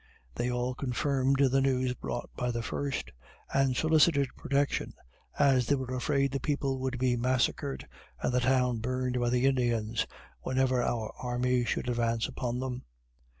They all confirmed the news brought by the first, and solicited protection, as they were afraid the people would be massacred and the town burned by the Indians whenever our army should advance upon them.